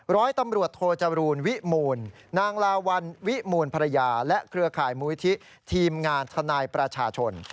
ร้อยตำรวจโทจรูลวิมูลนางลาวัลวิมูลภรรยาและเครือข่ายมูลิธิทีมงานทนายประชาชน